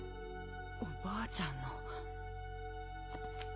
おばあちゃんの。